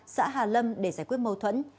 xã hà lâm để giải quyết mâu thuẫn